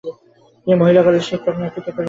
তিনি মহিলা শিক্ষক সমাজের নেতৃত্ব দিয়েছিলেন।